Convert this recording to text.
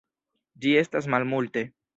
Ĝi estas malmulte.